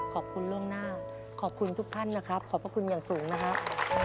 ขอบคุณล่วงหน้าขอบคุณทุกท่านนะครับขอบพระคุณอย่างสูงนะครับ